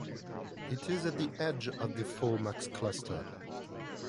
It is at the edge of the Fornax Cluster.